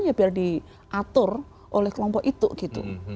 ya biar diatur oleh kelompok itu gitu